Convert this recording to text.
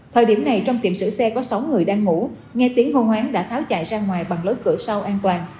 thời điểm này trong tiệm sửa xe có sáu người đang ngủ nghe tiếng hô hoáng đã tháo chạy ra ngoài bằng lối cửa sau an toàn